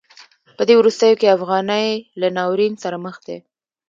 په دې وروستیو کې افغانۍ له ناورین سره مخ ده.